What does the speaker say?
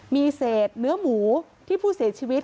มีเสร็จเนื้อหมูที่ผู้เสดชีวิต